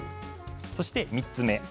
そして３つ目。